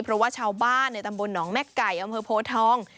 เพราะว่าชาวบ้านในตำบลหนองแม่ไก่อำเภอโพทอง